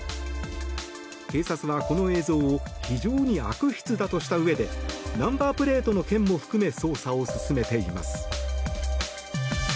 警察はこの映像を非常に悪質だとしたうえでナンバープレートの件も含め捜査を進めています。